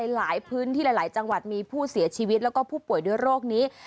หลายพื้นที่หลายจังหวัดมีผู้เสียชีวิตแล้วก็ผู้ป่วยด้วยโรคนี้